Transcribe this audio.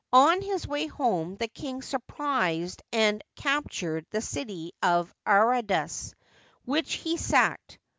On his way home the king surprised and capt ured the citv of Aradus, which he sacked.